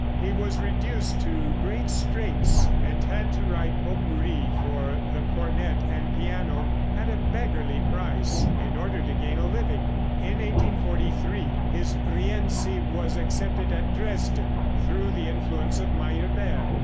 He was reduced to great straits, and had to write potpourri for the cornet and piano at a beggarly price, in order to gain a living. In 1843 his "Rienzi" was accepted at Dresden, through the influence of Meyerbeer.